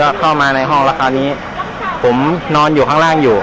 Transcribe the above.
ก็เข้ามาในห้องแล้วคราวนี้ผมนอนอยู่ข้างล่างอยู่